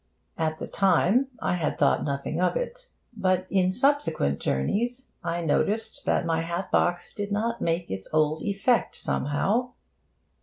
At the time, I had thought nothing of it. But, in subsequent journeys, I noticed that my hat box did not make its old effect, somehow.